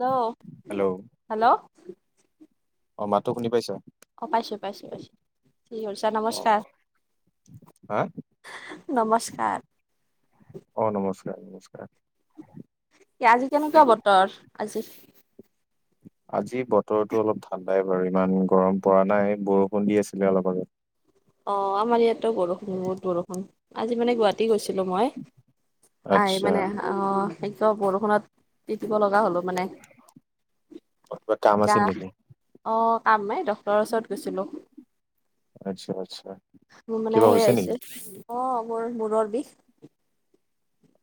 Hello, hello hello? অ, মাতো শুনি পাইছ। অ, পাইছো, পাইছো, পাইছো ঠিক কৰিছা নমস্কাৰ। হা? নমস্কাৰ। অ, নমস্কাৰ, নমস্কাৰ। এ, আজি কি কেনেকুৱা কৰি বতৰ আজি। আজি বতৰতো অলপ ঠাণ্ডাই বাৰু ইমান গৰম পৰা নাই বৰষুণ দি আছিলে অলপ আৰু। অ, আমাৰ ইয়াতত বৰষুণো, বহুত বৰষুণ আজি মানে গুৱাহাটী গৈছো। মই আহ আচ্ছা মানে অ, বৰষুণত তিতি লগা হলো মানে কিবা কাম গা আছিল নেকি অ, কামাই ডক্টৰৰ ওচৰত গৈছিলোঁ। আচ্ছা, আচ্ছা। মোৰ মানে কিবা হৈছে নেকি সেইয়ছে অ, মোৰ, মূৰৰ বিষ।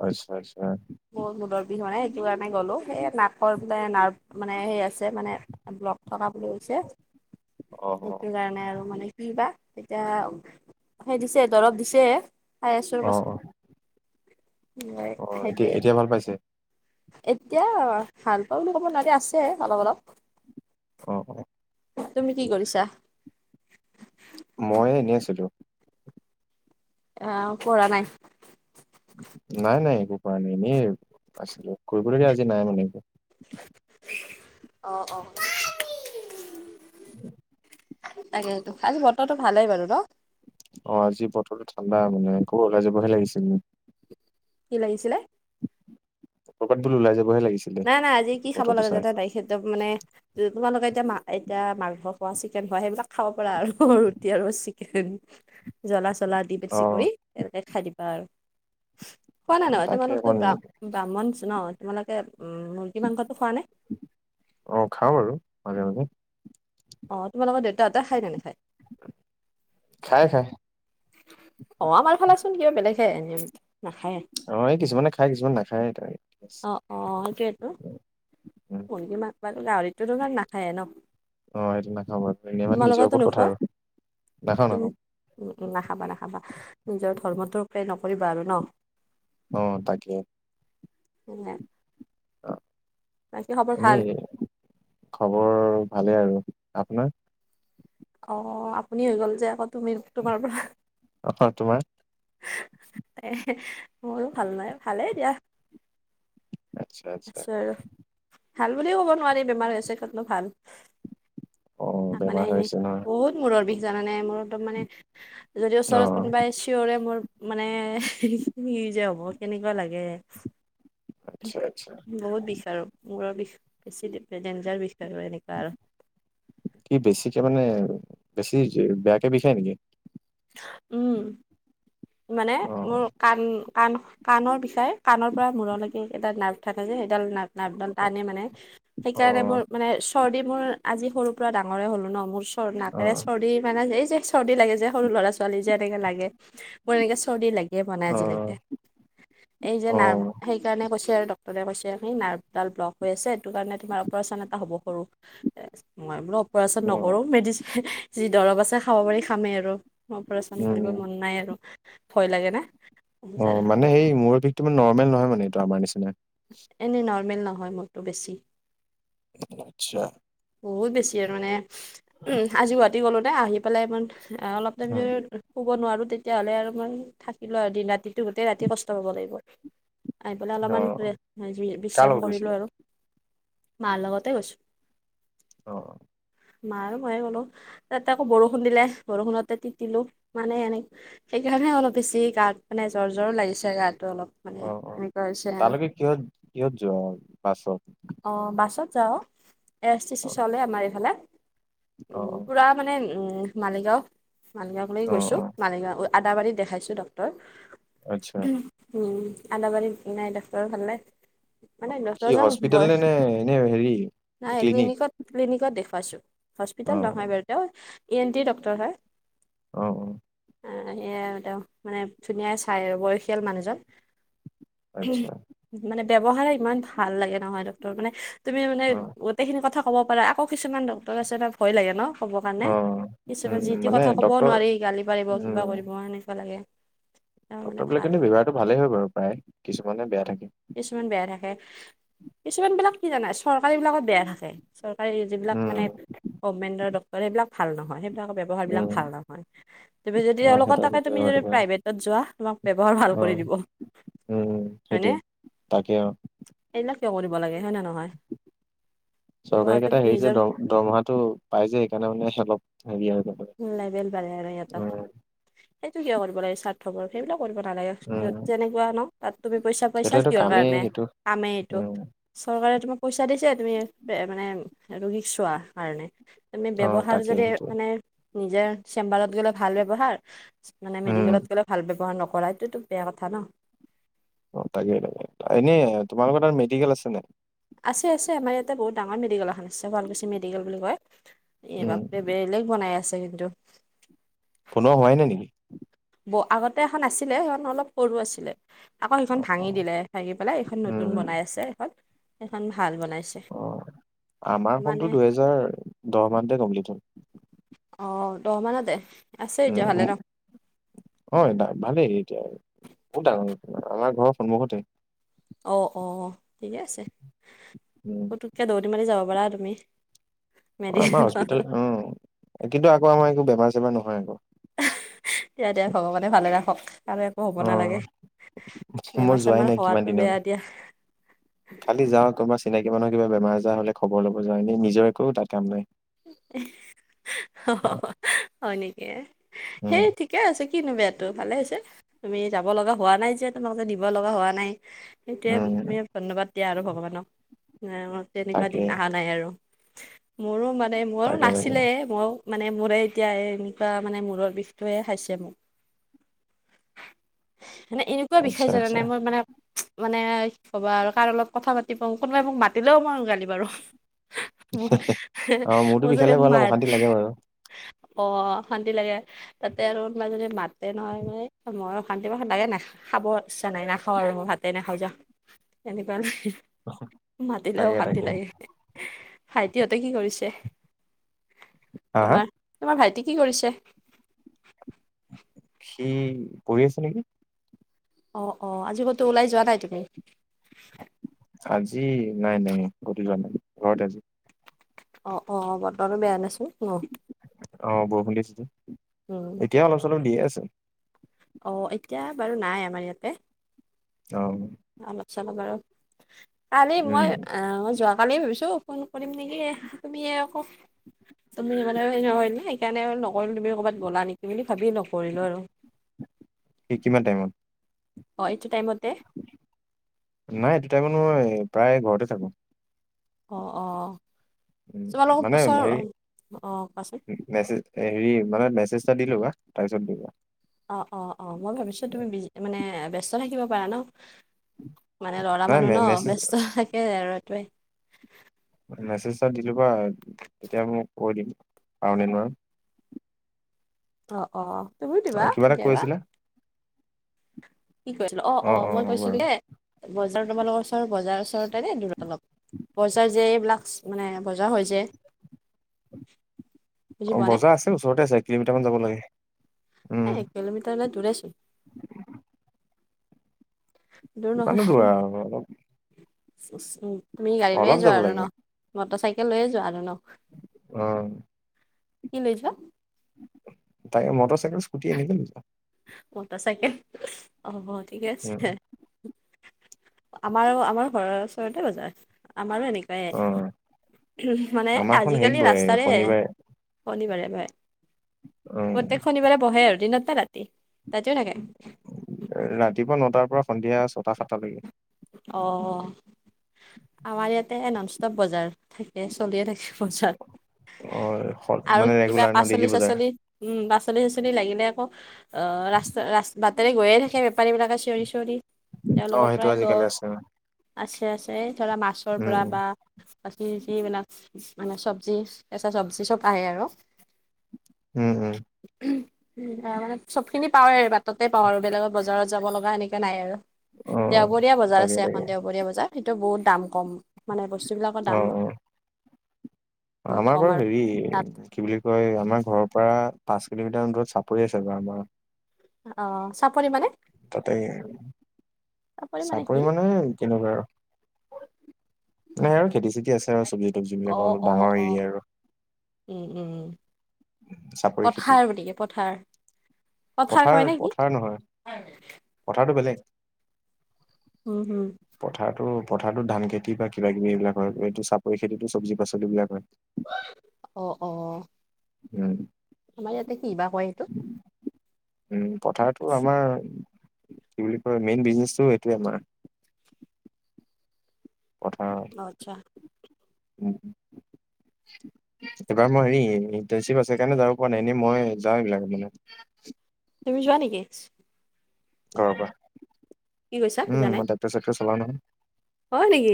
আচ্ছা, আচ্ছা। ব, মূদৰ বিহ মানে সেইটো কাৰণে গ'লো সেই নাকৰ বে নাৰ মানে সে আছে। মানে ব্লক থকা বুলি কৈছে অ সেইটো কাৰণে আৰু মানে কি বা এতিয়া সেই দিছে, দৰব দিছে খাই আছো অ অ পাছত হয়, অ অ এতিয়া সেইটোৱে। এতিয়া ভাল পাইছে? এতিয়া ভাল পাওঁ বুলি কমানী আছে অলপ, অলপ। অ', অ'। তুমি কি কৰিছা? মই এনেই আছিলো। অ, কৰা নাই। নাই, নাই, একো কৰা নাই এনেই, আছিলো কৰিবলগীয়া আজি নাই মানে একো। অ', অ'। তাকে সেইটো আজি বতৰটো ভালেই বাৰু ন। অ, আজি বতৰটো ঠাণ্ডা মানে আকৌ ওলাই যাবহে লাগিছিল মোৰ। কি লাগিছিলে? ক'ৰবাত বোলো ওলাই যাবহে লাগিছ নাই নাই আজি কি খাব লগা [unintelligible] মানে তোমালোকে এতিয়া মা এতিয়া মাংস খোৱা চিকেন খোৱা সেইবিলাক খাব পাৰা আৰু ৰুটি আৰু চিকেন। জ্বলা চলা দি অ বেছি কৰি তেনেকে খাই দিবা আৰু। খোৱা নাই নহ তাকে তোমালোকো অকণ ব্ৰা ব্ৰাহণ ন তোমালোকে উম, মুৰ্গী মাংসটো খোৱা নে? অ', খাওঁ আৰু মাজে মাজে। অ', তোমালোকৰ দেউতাহঁতে খাই নে নেখাই? খাই খাই। অ', আমাৰ ইফালে চোন কিবা বেলেগহে এনে অ', এই কিছুমানে খাই কিছুমান নাখায় [unintelligible] অ', অ', সেইটোৱেইতো। উম [unintelligible] গাহৰিতো তো নাখায়ে ন? অ', এইটো নাখাওঁ বাৰু এনেই মানে নিজৰ তোমালোকৰতো ওপৰত কথা নোখোৱা আৰু, নাখাওঁ তুমি নাখাওঁ। উম, নাখাবা নাখাবা, নিজৰ ধৰ্মটো [unintelligible] নকৰিবা আৰু ন। অ', তাকে। [unintelligible] অ', বাকী খবৰ ভাল এনেই খবৰ ভালেই আৰু আপোনাৰ? অ', আপুনি হৈ গ'ল যে আকৌ তুমি তোমাৰ পৰা। অ', তোমাৰ? এ ময়ো ভাল নাই ভালেই দিয়া। আচ্ছা আচ্ছা আছে আৰু। ভাল বুলিও ক'ব নোৱাৰি বেমাৰ হৈছে [unintelligible] ভাল। অ বেমাৰ হৈ [unintelligible] আছে নহয় বহুত মূৰৰ বিষ জানা নে মোৰ। একদম মানে, যদি অ ওচৰত কোনোবাই চিঞৰে মোৰ মানে কি যে হ'ব কেনেকুৱা লাগে। আচ্ছা আচ্ছা। বহুত বিষ আৰু, মূৰৰ বিষ বেছি ডেঞ্জাৰ বিষ আৰু এনেকুৱা আৰু। কি বেছিকে মানে, বেছি বেয়াকে বিষায় নেকি। উম, মানে অ কাণ কাণ কাণৰ বিষাই, কাণৰ পৰা মূৰলৈকে এডাল নাৰ্ভ থাকে যে সেইডাল নাৰ্ভ নাৰ্ভ ডাল টানে মানে, অ সেইকাৰণে মোৰ মানে চৰ্দি মোৰ আজি সৰুৰ পৰা ডাঙৰে হ'লো ন মোৰ চ অ নাকেৰে চৰ্দি মানে এই যে চৰ্দি লাগে যে সৰু ল'ৰা ছোৱালী যে এনেকে লাগে, মোৰ এনেকে চৰ্দি লাগ [unintelligible] বনাই অ আজিলৈকে, এই যে অ নাৰ্ভ সেইকাৰণে কৈছে আৰু ডক্টৰে কৈছে। সেই নাৰ্ভডাল ব্লক হৈ আছে সেইটো কাৰণে তোমাৰ অপাৰেচন এটা হ'ব সৰু, মই বুলো অপাৰেচন অ নকৰোঁ মেডিচি যি দৰৱ আছে খাব পাৰি খামেই আৰু। অপাৰেচন কৰিব উম মন নাই আৰু, ভয় লাগে নে। অ', মানে সেই মূৰ বিষটো মানে নৰ্মেল নহয় মানে এইটো আমাৰ নিচিনা? এনে নৰ্মেল নহয় মোৰতো বেছি। আচ্ছা। বহুত বেছি আৰু মানে উম, আজি গুৱাহাটী গ'লো দে আহি পেলাই ইমান অলপ টাইম উম শুব নোৱাৰো তেতিয়াহ'লে আৰু মই থাকিলো আৰু দিন ৰাতিটো গোটেই ৰাতি কষ্ট পাব লাগিব। আহি পেলাই অ অলপমান [unintelligible] কাৰ বিশ্ৰাম লগত কৰিলো গৈছিলা আৰু, মাৰ লগতে গৈছো। অ'। মায়েও নোৱাৰে অলপ, ইয়াত আকৌ বৰষুণ দিলেহ বৰষুণতে তিত-তিলো, মানে এনেই সেইকাহুণেহে অলপ বেছি গাৰ্ত, মানে জ্বৰ-জ্বৰো লাগিছে গাটো অলপ। মানে অ', অ', এনেকুৱা হৈছে তালকে কিহত, কিহত যোৱা, পাছত অ', বাছত যাও। এছ টি অ চি চলে আমাৰ এইফালে, অ উম, পুৰা মানে য়্যওম মালিগাঁও মালিগাঁওক লেকি অ অ গৈছো, অ মালিগাঁও উই আদাবাৰী দেখাইছো ডক্টৰ, আচ্ছা [unintelligible] উম, আদাবাৰীৰ ন্যাই ডক্টৰ ভালনে? অ-অ কি হস্পিতেল নে-নে এনে হেৰি নাই ক্লিনিক ক্লিনিকত, ক্লিনিকত দেখুৱাইছো, অ হস্পিতেল নহয় বাৰ তেওঁৰ, এ-এন-টিৰ ডক্তৰ হয় অ-অ নাই এইয়া আৰু তেওঁ, মানে ধুনীয়াই চাই আৰু বয়সীয়াল মানুহজন আচ্ছা মানে ব্যৱহাৰে ইমান ভাল লাগে নহয় ডক্টৰ মানে তুমি মানে অ গোটেইখিনি কথা ক'ব পাৰা আকৌ কিছুমান ডক্টৰ আছে বা ভয় লাগে ন' ক'ব কাৰণে অ কিছুমান উম যিটো মানে কথা ক'বও ডক্তৰ নোৱাৰি গালি পাৰিব কিবা উম কৰিব এনেকুৱা লাগে তেওঁ মানে ডক্টৰ বিলাকে ভাল কিন্তু ব্যৱহাৰটো ভালেই হয় বাৰু প্ৰায়, কিছুমানে বেয়া থাকে কিছুমান বেয়া থাকে, কিছুমান বিলাক কি জানা চৰকাৰী বিলাকত বেয়া থাকে চৰকাৰী যিবিলাক মানে, উম গভমেণ্টৰ ডক্টৰ সেইবিলাক ভাল নহয় সেইবিলাকৰ ব্যৱহাৰ বিলাক উম ভাল নহয় তুমি যদি অ এওঁলোকৰ তাকে তুমি সেইটো যদি পাৰে প্ৰাইভেটত যোৱা তোমাক ব্যৱহাৰ ভাল কৰি দিব উ-উ হয়নে? তাকে-অ এইবিলাক কিয় কৰিব লাগে হয় নে নহয়? চৰকাৰী এটা ব্যৱহাৰটো হেৰি যে নিজৰ দৰ দৰমহাটো, পাই যে সেইকাণে মানে হেলপ হেৰিয়া হৈ গৈছে উম লেবেল বাঢ়ে আৰু সিহঁতৰ, এইতো কিয় কৰিব লাগে চাত থবৰ সেইবিলাক কৰিব নালাগে, উম যত যেনেকুৱা ন', তাত তুমি পইচা সিহঁতৰ পাইছা এইটো কিহৰ কামেই কাৰণে? সেইটো কামে এইটো উম চৰকাৰে তোমাক পইচা দিছে তুমি, এ-মানে ৰোগীক চোৱা, কাৰণে এনে অ ব্যৱহাৰ তাকে যদি, সেইটো মানে নিজৰ চেম্বাৰত গ'লে ভাল ব্যৱহাৰ, মানে উম মেডিকেলত গ'লে ভাল ব্যৱহাৰ নকৰাইতো-তো বেয়া কথা ন অ তাকে-তাকে এনে তোমালোকৰ তাত মেডিকেল আছে নাই? আছে-আছে আমাৰ ইয়াতে বহুত ডাঙৰ মেডিকেল এখন আছে শুৱালকুছি মেডিকেল বুলি কয়, এই উম বাঁপ-ৰে বেলেগ বনাই আছে কিন্তু বনোৱা হোৱাই নাই নিকি? ব আগতে এখন আছিলে সেইখন অলপ সৰু আছিলে আকৌ সেইখন অ অ ভাঙি দিলে ভাঙি পেলাই এইখন নতুন উম বনাই আছে এখন, সেইখন ভাল বনাইছে অ, মানে আমাৰখনতো দুহেজাৰ, দহ মানতে কমপ্লিট হ'ল অ, দহ মানতে আছে এতিয়া ভালে উম-উ'ম ন অই-ডাক ভালেই এতিয়া আৰু, বম-টাঙন আমাৰ ঘৰৰ সন্মুখতে ঔ-অ, ঠিকেই আছে, উম পতুককে দৌৰি মাৰি যাব পাৰা আৰু তুমি অ মেৰি আমাৰ হস্পিতাল উম, কিন্তু আকৌ আমাৰ একো বেমাৰ-চেমাৰ নহয় আকৌ দিয়া-দিয়া ভগৱানে ভালে ৰাখক, আৰু একো হ'ব অ নালাগে মই যোৱাই বেমাৰ-চেমাৰ নাই কিমান হোৱাতো দিন হ'ল বেয়া দিয়া খালি যাওঁ কোনোবা চিনাকি মানুহৰ কিবা বেমাৰ-আজাৰ হ'লে খবৰ ল'ব যাও এনে নিজৰ একো তাত কাম নাই [unintelligible] হয় নিকে, উম সেইথিক কে আছে কিনো বেয়াতো ভালে হৈছে, তুমি যাব লগা হোৱা নাই যে তোমালকে দিব লগা হোৱা নাই এত্যিয়া উম-উম উম মিয়প ধন্যবাদ দিয়া আৰু ভগৱানক, নাই-আঙত তেনেকুৱা তাকে দিন আহা নাই আৰু মোৰো মানে মৌৰ তাকে তাকে নাছিলে মৌও মানে মোৰে এতিয়া এনেকুৱা মানে মূৰৰ বিষটোৱে খাইছে মোক মানে এনেকুৱা আচ্ছা বিষায় আচ্ছা জানানে মই মানে মানে কি কবা আৰু কাৰৰ লগত কথা পাতি বা কোনোবাই মোক মাতিলেও মই গালি পাৰু ম অ মোৰতো মজৰে বিষালে বাৰু অলপ মাৰ অশান্তি লাগে বাৰু অ অশান্তি লাগে তাতে আৰু কোনোবা যদি মাতে নহয় মানে মই ভানটিবা স লাগে নাখা খাব ইচ্ছা নাই নাখাওঁ আৰু মই ভাতে নাখাওঁ যা কেনেবা মাতিলে তাকে অশান্তি তাকে লাগে ভাইটিহঁতে কি কৰিছে হা হা তোমাৰ তোমাৰ ভাইটি কি কৰিছে সি পঢ়ি আছে নেকি? অ' অ' আজি ক'তো ওলাই যোৱা নাই তুমি? আজি নাই নাই ক'ত ও যোৱা নাই ঘৰতে আজি। অ' অ' বতৰো বেয়া দেচো ন। অ' বৰষুণ দিছে যে, উম এতিয়া অলপ চলপ দিয়ে আছে। অ' এতিয়া বাৰু নাই আমাৰ ইয়াতে। অ'। অলপ চলপ বাৰু, কালি উম মই আহ মই যোৱাকালি ভাবিছো ফোন কৰিম নেকি? য়ে তুমি য়ে আকৌ তুমি মানে [inaudible] সেইকাৰণে নকৰিলো তুমি ক'বাত গ'লা নেকি বুলি ভাবি নকৰিলো আৰু। কি কিমান টাইমত? অ' এইটো টাইমতে। নাই এইটো টাইমত মই প্ৰায় ঘৰতে থাকোঁ। অ' অ' উম তোমালোকৰ মানে ওচৰ, হেৰি অ' কোৱাচোন। মেছেজ হেৰি মানে মেছেজএটা দি ল'বা, তাৰপিছত কৰিবা। অ' অ' অ' মই ভাবিছো তুমি বিজি মানে ব্যস্ত থাকিব পাৰা ন। মানে ল'ৰা নাই মানুহ মে ন মেছেজ ব্যস্ত থাকে আৰু এইটোৱে। মেছেজ এটা দি ল'বা, তেতিয়া মোক কৈ দিম পাৰো নে নোৱাৰো। অ' অ' তুমিও অ দিবা কিবা এটা কেতিয়াবা। কৈছিলা কি কৈছিলো অ' অ' মই কৈছিলো যে বজাৰ তোমালোকৰ ওচৰ বজাৰৰ ওচৰতে নে দূৰত অলপ? বজাৰ যে এইবিলাক মানে বজাৰ হয় যে বুজি অ' পোৱা নাই বজাৰ আছে ওচৰতে আছে এক কিলোমিটাৰ মান যাব লাগে। উম এ এক কিলোমিটাৰ হ'লে দূৰে ছোন। দূৰ কিমানো নহয় উম আৰু অলপ তুমি গাড়ী লৈয়ে অলপ যাব যোৱা আৰু লাগে ন? মটৰ চাইকেল লৈয়ে যোৱা আৰু ন? অ'। কি লৈ যোৱা? তাকে মটৰ চাইকে স্কুটি এনেকে লৈ যাওঁ। মটৰ চাইকেল অ' অ' ঠিকে আছে উম দে। আমাৰো আমাৰ ঘৰৰ ওচৰতে বজাৰ আমাৰো এনেক কে অ মানে আমাৰখন হেৰিত আজিকালি বহে ৰাস্তাৰে শনিবাৰে শনিবাৰে বহে উম প্ৰত্যেক শনিবাৰে বহে আৰু দিনত নে ৰাতি? ৰাতিও থাকে। ৰাতিপুৱা নটাৰ পৰা সন্ধিয়া ছটা সাতটা লৈকে। অ' আমাৰ ইয়াতে নন ষ্টপ বজাৰ থাকে চলিয়ে থাকে। বজাৰ, অ আৰু মানে কিবা ৰেগুলাৰ ন ডেইলি পাচলি বজাৰ চাচলি উম পাচলি চাচলি লাগিলে আকৌ অ' ৰাস্তা ৰাস্তা বা টৰে গৈয়ে থাকে বেপাৰী বিলাকে চিঞৰি চিঞৰি, অ তেওঁলোকৰ সেইটো পৰাই আজিকালি লয়। আছে আছে আছে ধৰা মাছৰ উম পৰা উম বা বাকী যি মানে মানে চবজি কেঁচা চব্জি চব আহে আৰু। উম উম। উম মানে চব খিনি পাওঁৱেই আৰু বাটতে পাওঁ আৰু বেলেগত বজাৰত যাব লগা এনেকুৱা নাই আৰু। অ দেওবৰীয়া বজাৰ তাকে আছে এখন তাকে দেওবৰীয়া বজাৰ, সেইটো বহুত দাম কম মানে বস্তু বিলাকৰ অ দাম। অ বহুত আমাৰ কম বাৰু আৰু হেৰি তাত কি বুলি কয় আমাৰ ঘৰৰ পৰা পাঁচ কিলোমিটাৰ দূৰত চাপৰি আছে বাৰু আমাৰ। অ' চাপৰি মানে? তাতে চাপৰি মানে কেনেকুৱা আৰু নাই আৰু খেতি চেতি আছে আৰু চব্জি তবজি অ বিলাকৰ অলপ অ ডাঙৰ অ এৰিয়া আৰু। উম, উম চাপৰি খেতি পথাৰ গতিকে পথাৰ। পথাৰ কয় নে কি? পথাৰ টো বেলেগ। উম, হুম। পথাৰতো পথাৰতো ধান খেতি বা কিবা কিবি এইবিলাক হয় এইটো চাপৰি খেতিতো চব্জি পাচলিবিলাক হয়। অ', অ'। উ। আমাৰ ইয়াতে কিবা কয় সেইটো। পথাৰটো আমাৰ কি বুলি কয় মেইন বিজনেছটো এইটোৱে আমাৰ পথাৰ। পচা [unintelligible] উম। এবাৰ মই হেৰি ইন্টানচিপ আছে সেইকাৰণে যাব পৰা নাই এনেই মই যাওঁ এইবিলাক মানে। তুমি যোৱা নেকি। অ', কি কৈছা বুজা উম নাই? মই টেক্টৰ চেক্টৰ চলাও নহয়। হয় নেকি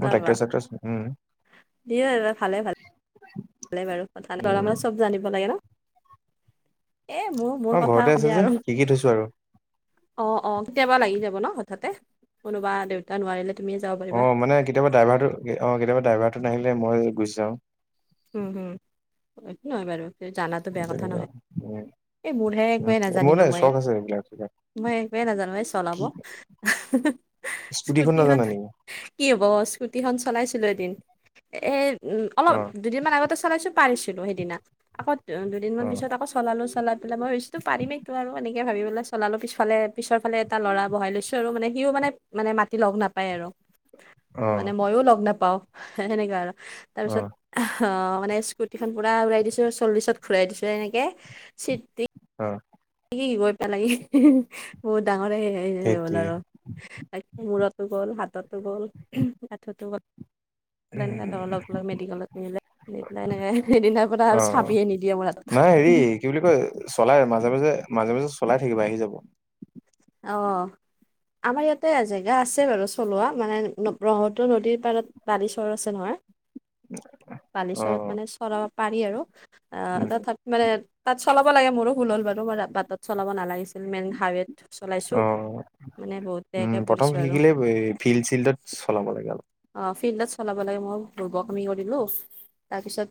মই বাবা ট্ৰেক্টৰ চেক্টৰ উম দি এই বা ভালে, ভালে। [unintelligible] ভাল বাৰু কথা নৰা উম মানুহ চব জানিব লাগে ন। এ মোৰ অ মোৰ কথা ঘৰতে আছে সুধিই যে আৰু। শিকি থৈছো আৰু অ', অ', কেতিয়াবা লাগি যাব ন হঠাৎতে কোনোবা দেউতা নোৱাৰিলে। তুমিয়ে যাব পাৰিবা। অ', মানে কেতিয়াবা ড্ৰাইভাৰটো অ', কেতিয়াবা ড্ৰাইভাৰটো নাহিলে মই গুচি যাওঁ। উম, হুম এইকো নহয় বাৰু জানাটো বেয়া কথা তেনেকুৱা নহয়। উম, এই মোৰহে উম, একোৱেই মোৰ নাজানিলো নাই মই। চখ আছে এইবিলাক চবিলাক। মই একোৱেই নাজানো এই চলাব কি স্কুটিখন নাজানা নেকি? কি হ'ব স্কুটিখন চলাইছিলো এদিন এ উ অলপ অ', দুদিনমান আগতে চলাইছো পাৰিছিলো সেইদিনা আকৌ দুদিনমান অ', পিছত আকৌ চলালো চাল পেল মই ভাবছো পাৰিমেইতো আৰু এনেক ভাবিপেলাই চালালো পিফালে পিছৰফালে এটা ল'ৰা বহাই লৈছো আৰু মানে সিও মানে মানে মাতি লগ নাপায় আৰু মানে অ', মইও লগ নাপাও সেনেকুৱা আৰু তাৰপিছত অ', অ', মানে স্কুটিখন পুৰা উৰাই দিছো চল্লিশত ঘুৰাই দিছো এনেকে চিট অ'। কি গৈ পেলাগে বহুত ডাঙৰে ধেত তেৰি হ'ল আৰু ত মূৰৰতো গ'ল হাততো গ'ল আঠুতো গ'ল। [inaudible] তেনেকে তৰ অ', লগ লগ মেডিকেলত নিলে সিদিনাই নে সেইদিনা পৰা আৰু অ', চাবিয়ে নিদিয়ে মোৰ হাতত নাই হেৰি কি বুলি কয় চলাই মাজে, মাজে, মাজে, মাজে চলাই থাকিবা আহি যাব। অ'। আমাৰ ইয়াতে জেগা আছে বাৰু চলোৱা মানে ব্ৰক্ষ্মপুত্ৰ নদীৰ পাৰত বালি চৰ আছে নহয়। [inaudible] বালিচৰত অ', মানে চৰাব পাৰি আৰু আহ উম, তথাপি মানে তাত চলাব লাগে মোৰো ভুল হ'ল বাৰু মই বাটত চলাব নালাগিছিল মেইন হাইৱেত চলাইছো অ', মানে বহুত উম, বেয়াকে প্ৰথম পৰিছো আৰু শিকিলে ফিল্ড চিল্ডত চলাব লাগে অলপ। অ', ফিল্ডত চলাব লাগে মই বুৰ্বকামি কৰিলো তাৰপিছত